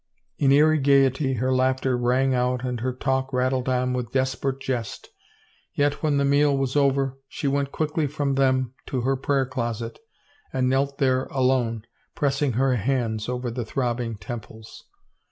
In eerie gayety her laughter rang out and her talk rattled on with desperate jest, yet when the meal was over, she went quickly from them to her prayer closet and knelt there alone, pressing her hands over the throb bing temples.